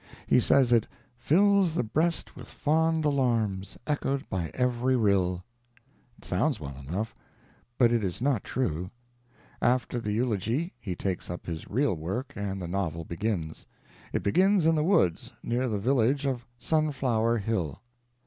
He says it "fills the breast with fond alarms, echoed by every rill." It sounds well enough, but it is not true. After the eulogy he takes up his real work and the novel begins. It begins in the woods, near the village of Sunflower Hill.